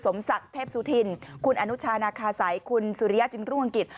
ศักดิ์เทพสุธินคุณอนุชานาคาสัยคุณสุริยะจึงรุ่งอังกิจ